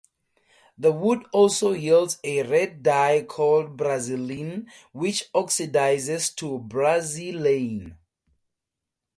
The wood also yields a red dye called brazilin, which oxidizes to brazilein.